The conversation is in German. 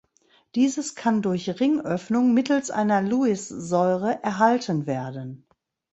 Dieses kann durch Ringöffnung mittels einer Lewis-Säure erhalten werden.